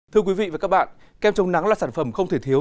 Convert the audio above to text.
thưa quý vị và các bạn kem chống nắng là sản phẩm không thể thiếu